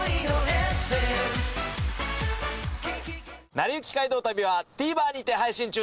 『なりゆき街道旅』はＴＶｅｒにて配信中です。